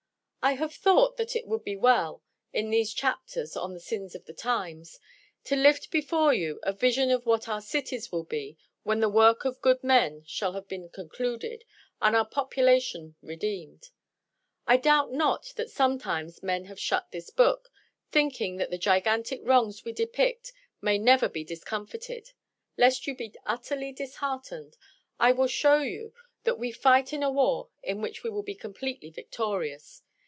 I have thought that it would be well, in these chapters on the sins of the times, to lift before you a vision of what our cities will be when the work of good men shall have been concluded and our population redeemed. I doubt not that sometimes men have shut this book, thinking that the gigantic wrongs we depict may never be discomfited. Lest you be utterly disheartened, I will show you that we fight in a war in which we will be completely victorious.